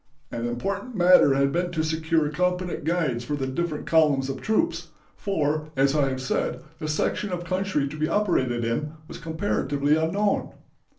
"An important matter had been to secure competent guides for the different columns of troops, for, as I have said, the section of country to be operated in was comparatively unknown.